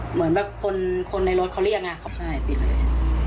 เหมือนแบบคนในรถเขาเรียกไงใช่ผิดเลย